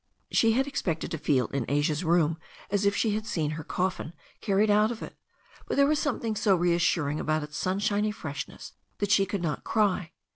She had expected to feel in Asia's room as if she had seen her coffin carried out of it, but there was something so reassuring about its sunshiny freshness that she could not cry.